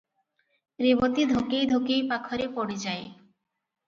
ରେବତୀ ଧକେଇ ଧକେଇ ପାଖରେ ପଡ଼ିଯାଏ ।